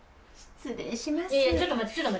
失礼します。